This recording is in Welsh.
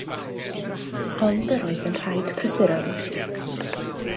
Ond yr oedd yn rhaid prysuro ymaith.